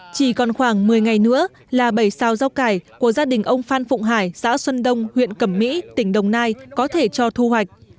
chỉ còn khoảng một mươi ngày nữa là bảy sao rau cải của gia đình ông phan phụng hải xã xuân đông huyện cẩm mỹ tỉnh đồng nai có thể cho thu hoạch